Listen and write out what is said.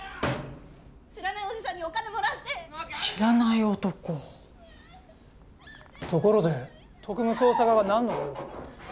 知らないおじさんにお金もらって知らない男ところで特務捜査課が何のご用で？